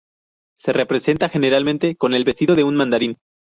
Se representa generalmente con el vestido de un mandarín.